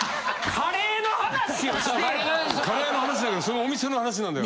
カレーの話だけどそのお店の話なんだよ。